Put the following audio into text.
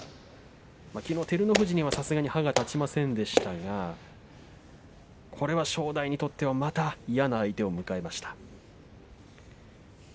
きのう照ノ富士にはさすがに歯が立ちませんでしたがこれは正代にとってはまた嫌な相手を迎えました。